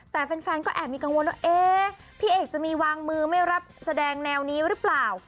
แต่แฟนก็แอบมีกังวลว่าเอ๊ะพี่เอกจะมีวางมือไม่รับแสดงแนวนี้หรือเปล่า